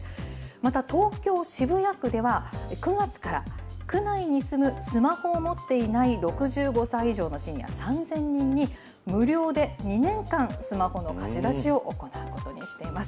また東京・渋谷区では、９月から、区内に住むスマホを持っていない６５歳以上のシニア３０００人に、無料で２年間、スマホの貸し出しを行うことにしています。